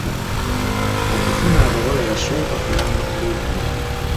Okufuna abawala yasooka kulanga ku leediyo.